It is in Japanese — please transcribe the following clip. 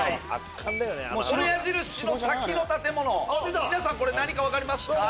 この矢印の先の建物皆さん何か分かりますか？